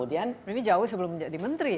ini jauh sebelum menjadi menteri